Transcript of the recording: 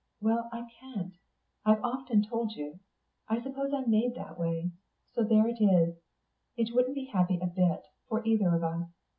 Well, I can't. I've often told you. I suppose I'm made that way. So there it is; it wouldn't be happy a bit, for either of us....